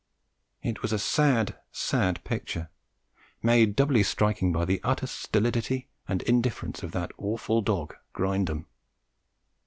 It was a sad, sad picture, made doubly striking by the utter stolidity and indifference of that awful dog, Grindum.